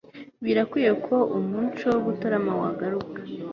birakwiye ko umuco wo gutarama wagaruka